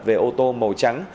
về ô tô màu trắng